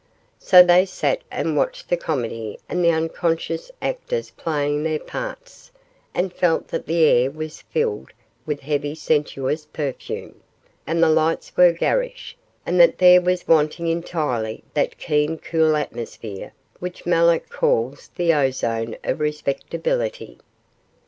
So they sat and watched the comedy and the unconscious actors playing their parts, and felt that the air was filled with heavy sensuous perfume, and the lights were garish, and that there was wanting entirely that keen cool atmosphere which Mallock calls 'the ozone of respectability'.